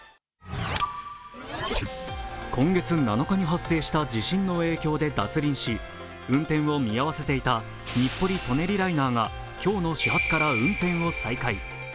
今月７日に発生した地震の影響で脱輪し運転を見合わせていた日暮里・舎人ライナーが今日の始発から運転を再開。